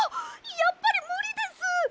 やっぱりむりです！